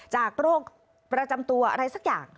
โรคประจำตัวอะไรสักอย่าง